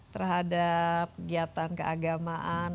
terhadap kegiatan keagamaan